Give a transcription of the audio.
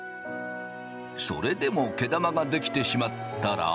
それでも毛玉が出来てしまったら。